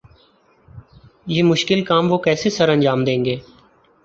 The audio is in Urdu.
یہ مشکل کام وہ کیسے سرانجام دیں گے؟